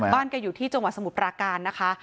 แกอยู่ที่จังหวัดสมุทรปราการนะคะ